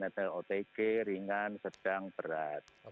ada otg ringan sedang berat